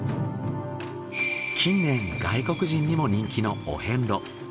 近年外国人にも人気のお遍路。